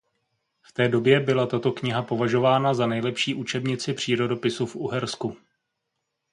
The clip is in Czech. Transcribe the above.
V té době byla tato kniha považována za nejlepší učebnici přírodopisu v Uhersku.